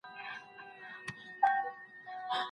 د کتابونو ملګرتیا غوره ملګرتیا ده.